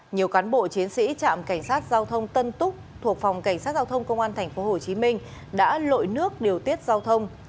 nhiều cán bộ chiến sĩ trạm cảnh sát giao thông tân túc thuộc phòng cảnh sát giao thông công an tp hcm đã lội nước điều tiết giao thông